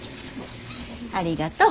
ありがとう。